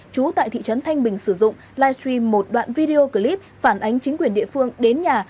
trú tại thị trấn thanh bình sử dụng livestream một đoạn video clip phản ánh chính quyền địa phương đến nhà